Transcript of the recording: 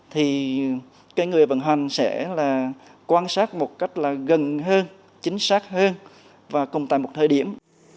thì cái người vận hành sẽ là quan sát một cách là gần hơn chính xác hơn và cùng tại một thời điểm